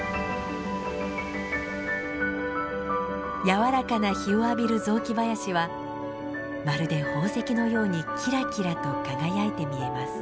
柔らかな日を浴びる雑木林はまるで宝石のようにキラキラと輝いて見えます。